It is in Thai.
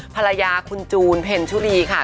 ภรรยาคุณจูนเพ็ญชุรีค่ะ